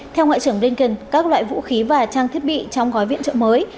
theo ngoại trưởng blinken các loại vũ khí và trang thiết bị trong gói viện trợ mới